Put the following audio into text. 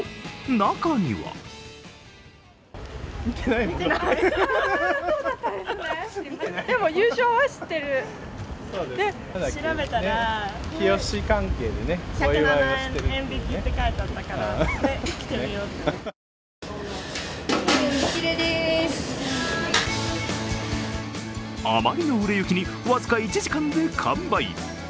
中にはあまりの売れ行きに僅か１時間で完売。